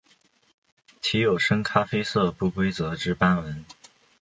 体有深咖啡色不规则之斑纹。